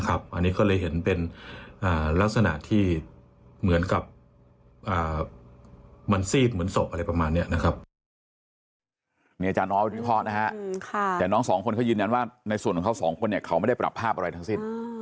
อันนี้ก็เลยเห็นเป็นลักษณะที่เหมือนกับมันซีบเหมือนศพอะไรประมาณนี้